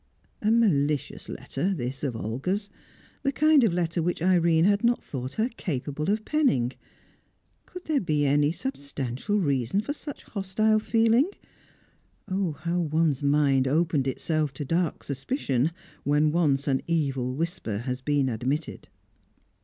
A malicious letter this of Olga's; the kind of letter which Irene had not thought her capable of penning. Could there be any substantial reason for such hostile feeling? Oh, how one's mind opened itself to dark suspicion, when once an evil whisper had been admitted!